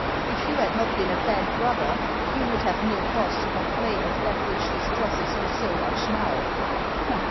If you had not been a bad brother, you would have no cause to complain of that which distresses you so much now.